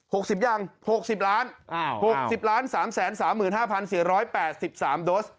หกสิบยังหกสิบล้านอ่าหกสิบล้านสามแสนสามหมื่นห้าพันสี่ร้อยแปดสิบสามโดส